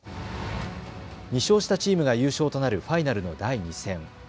２勝したチームが優勝となるファイナルの第２戦。